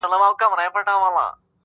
تا لنډغرو سره جوال نیولی